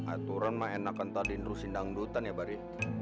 aturan main akan tadi nurusin dangdutan ya bari